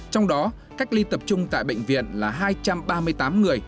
trong đó cách ly tập trung tại bệnh viện là hai trăm ba mươi tám người